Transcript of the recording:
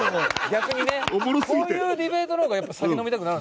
逆にねこういうディベートの方がやっぱ酒飲みたくなる。